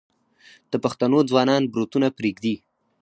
د پښتنو ځوانان بروتونه پریږدي.